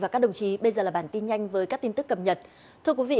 cảm ơn các bạn đã theo dõi